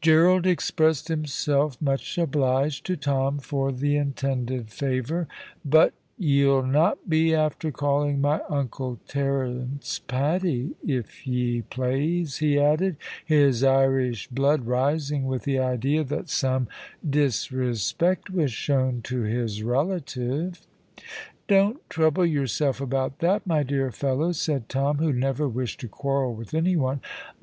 Gerald expressed himself much obliged to Tom for the intended favour. "But ye'll not be after calling my Uncle Terence, Paddy, if ye plase," he added, his Irish blood rising with the idea that some disrespect was shown to his relative. "Don't trouble yourself about that, my dear fellow," said Tom, who never wished to quarrel with any one.